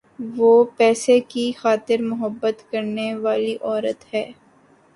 وہ پیسے کی خاطر مُحبت کرنے والی عورت ہے۔`